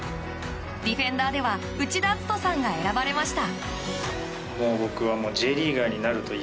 ディフェンダーでは内田篤人さんが選ばれました。